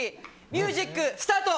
ミュージックスタート！